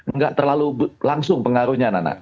nggak terlalu langsung pengaruhnya nana